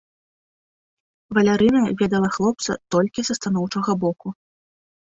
Валярына ведала хлопца толькі са станоўчага боку.